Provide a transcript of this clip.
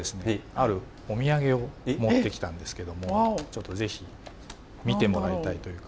あるお土産を持ってきたんですけどもちょっとぜひ見てもらいたいというか。